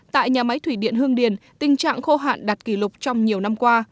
tại nhà máy thủy điện hương điền tình trạng khô hạn đạt kỷ lục trong nhiều năm qua